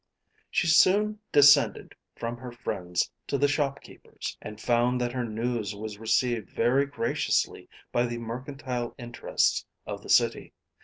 She soon descended from her friends to the shopkeepers, and found that her news was received very graciously by the mercantile interests of the city.